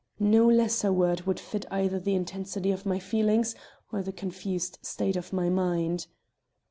No lesser word would fit either the intensity of my feeling or the confused state of my mind.